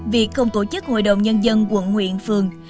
việc không tổ chức hội đồng nhân dân quận nguyện phường